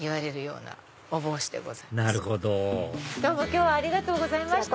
なるほど今日はありがとうございました。